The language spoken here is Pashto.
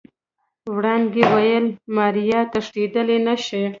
وړانګې وويل ماريا تښتېدل نشي.